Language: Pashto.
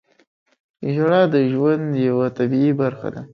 • ژړا د ژوند یوه طبیعي برخه ده.